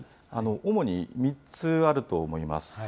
主に３つあると思います。